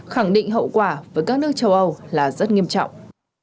khẳng định hậu quả với các nước châu âu là rất nghiêm trọng